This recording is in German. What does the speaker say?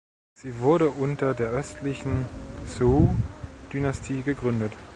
Sie wurde unter der Östlichen Zhou-Dynastie gegründet.